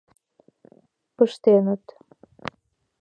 Пыштеныт.